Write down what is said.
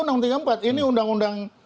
undang undang tiga puluh empat ini undang undang